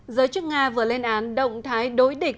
giới chức nga vừa lên án động thái đối địch